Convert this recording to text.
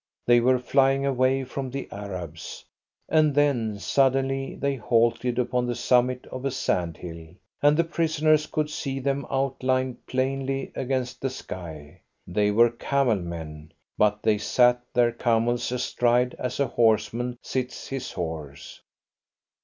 They were flying away from the Arabs. And then, suddenly they halted upon the summit of a sand hill, and the prisoners could see them outlined plainly against the sky. They were camel men, but they sat their camels astride as a horseman sits his horse.